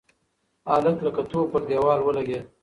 هلک لکه توپ پر دېوال ولگېد.